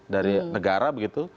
dari negara begitu